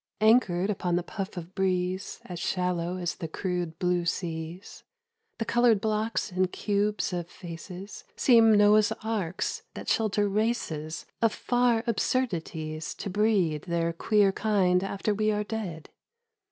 Anchored upon the puff of breeze As shallow as the crude blue seas, The coloured blocks and cubes of faces Seem Noah's arks that shelter races Of far absurdities to breed Their queer kind after we are dead.